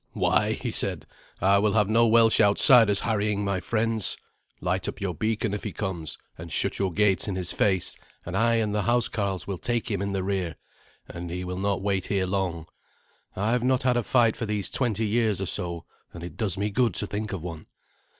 "Why," he said, "I will have no Welsh outsiders harrying my friends. Light up your beacon if he comes, and shut your gates in his face, and I and the housecarls will take him in the rear, and he will not wait here long. I have not had a fight for these twenty years or so, and it does me good to think of one."